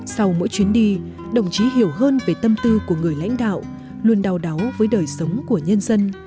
sau mỗi chuyến đi đồng chí hiểu hơn về tâm tư của người lãnh đạo luôn đau đáu với đời sống của nhân dân